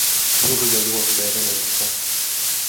Hurja juoksee veneessä.